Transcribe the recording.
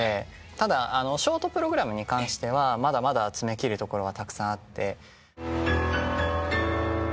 ただショートプログラムに関してはまだまだ詰めきるところはたくさんあって。